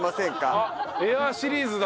あっエアーシリーズだ。